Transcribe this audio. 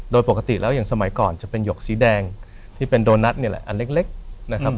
โดยปกติแล้วอย่างสมัยก่อนจะเป็นหยกสีแดงที่เป็นโดนัทนี่แหละอันเล็กนะครับ